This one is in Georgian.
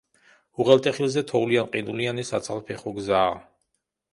უღელტეხილზე თოვლიან-ყინულიანი საცალფეხო გზაა.